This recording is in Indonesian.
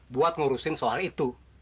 buat ngurusin soal itu